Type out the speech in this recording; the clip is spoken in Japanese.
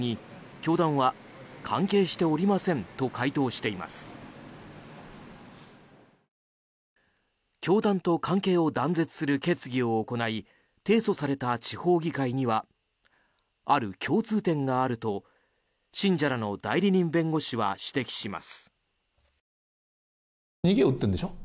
教団と関係を断絶する決議を行い提訴された地方議会にはある共通点があると信者らの代理人弁護士は指摘します。